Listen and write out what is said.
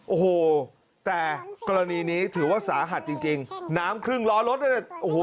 โอ้โหแต่กรณีนี้ถือว่าสาหัสจริงน้ำครึ่งล้อรถโอ้โห